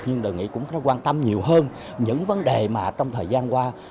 nhưng đồng nghĩa cũng đã quan tâm nhiều hơn những vấn đề mà trong thời gian qua